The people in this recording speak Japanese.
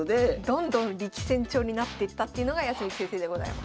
どんどん力戦調になっていったっていうのが康光先生でございます。